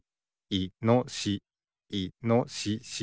いのしし。